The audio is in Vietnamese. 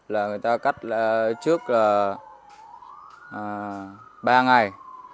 là người ta cắt trước là ba ngày